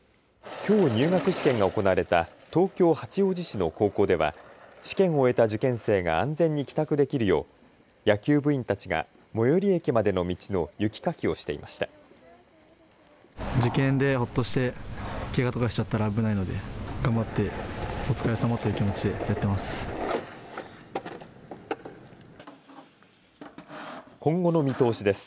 きょう入学試験が行われた東京八王子市の高校では試験を終えた受験生が安全に帰宅できるよう野球部員たちが最寄り駅までの道の雪かきをしていました。